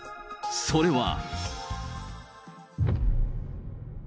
それは。